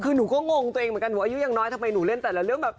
คือหนูก็งงตัวเองเหมือนกันหนูอายุยังน้อยทำไมหนูเล่นแต่ละเรื่องแบบ